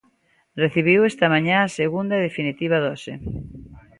Recibiu esta mañá a segunda e definitiva dose.